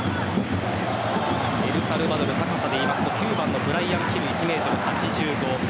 エルサルバドル高さで言いますと９番のブライアン・ヒル１ｍ８５。